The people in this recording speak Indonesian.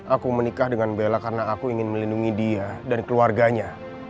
aku menikah dengan bella karena aku ingin melindungi dia dan keluarganya